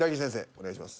お願いします。